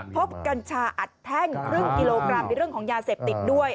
กัญชาอัดแท่งครึ่งกิโลกรัมในเรื่องของยาเสพติดด้วย